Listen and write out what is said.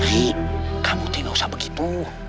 hei kamu tidak usah begitu